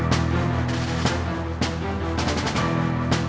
kami tidak mau jauh